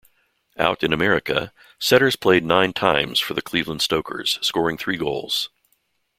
Out in America, Setters played nine times for the Cleveland Stokers scoring three goals.